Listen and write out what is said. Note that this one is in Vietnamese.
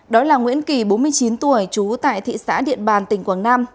đó là nguyễn kỳ bốn mươi chín tuổi trú tại thị xã điện bàn tỉnh quảng nam